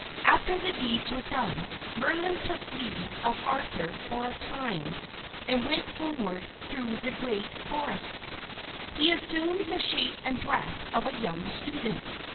After the deeds were done, Merlin took leave of Arthur for a time and went homeward through the great forests. He assumed the shape and dress of a young student.